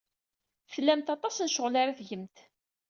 Tlamt aṭas n ccɣel ara tgemt.